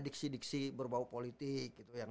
diksi diksi berbau politik gitu yang